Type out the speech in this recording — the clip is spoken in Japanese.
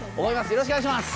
よろしくお願いします！